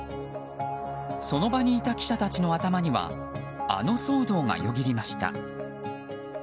その場にいた記者たちの頭にはあの騒動がよぎりました。